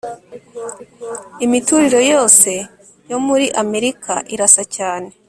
Imiturire yose yo muri Amerika irasa cyane